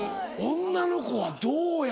女の子はどうや？